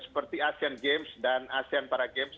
seperti asean games dan asean paragames